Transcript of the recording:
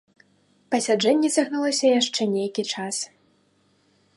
Пасяджэнне цягнулася яшчэ нейкі час.